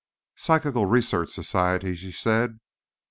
"Psychical Research Society," she said.